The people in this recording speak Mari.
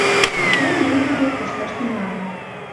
Тыге Нелли дек кошташ тӱҥальым.